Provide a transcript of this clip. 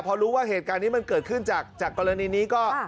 พอรู้ว่าเหตุการณ์นี้มันเกิดขึ้นจากกรณีนี้ก็